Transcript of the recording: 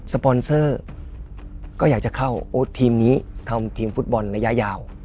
ปอนเซอร์ก็อยากจะเข้าโอ๊ตทีมนี้ทำทีมฟุตบอลระยะยาว